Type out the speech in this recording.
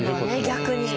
逆に。